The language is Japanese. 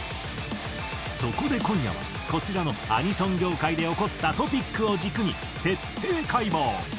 そこで今夜はこちらのアニソン業界で起こったトピックを軸に徹底解剖！